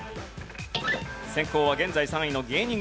先攻は現在３位の芸人軍団。